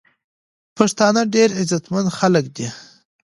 پښتانه ډیر عزت مند خلک دی.